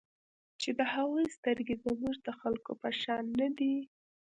چې د هغوی سترګې زموږ د خلکو په شان نه دي.